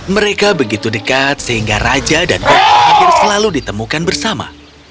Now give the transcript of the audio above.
mereka begitu dekat sehingga raja dan kota hampir selalu ditemukan bersama